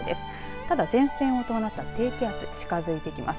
ただ、前線を伴った低気圧近づいてきます。